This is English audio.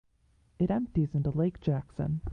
It empties into Lake Jackson.